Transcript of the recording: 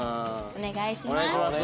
お願いします。